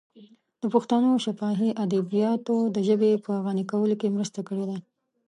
د پښتنو شفاهي ادبیاتو د ژبې په غني کولو کې مرسته کړې ده.